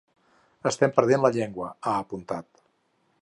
“Estem perdent la llengua”, ha apuntat.